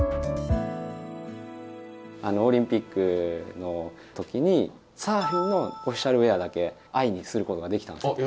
あのオリンピックの時にサーフィンのオフィシャルウエアだけ藍にすることができたんですよ。